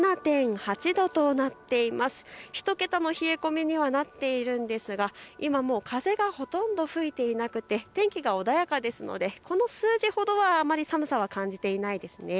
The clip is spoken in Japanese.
１桁の冷え込みにはなっているんですが今、風がほとんど吹いていなくて天気が穏やかですのでこの数字ほどはあまり寒さは感じていません。